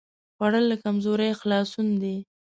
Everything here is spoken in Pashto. خوړل له کمزورۍ خلاصون دی